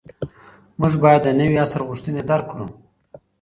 موږ باید د نوي عصر غوښتنې درک کړو.